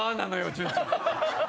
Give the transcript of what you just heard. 潤ちゃん。